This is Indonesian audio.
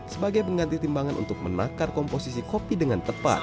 sebagai pengganti timbangan untuk menakar komposisi kopi dengan tepat